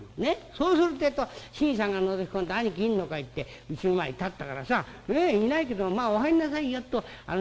そうするってえと新さんがのぞき込んで『兄貴いんのかい？』ってうちの前に立ったからさ『いないけどもまあお入んなさいよ』とあの人をうちへ入れたんだよ。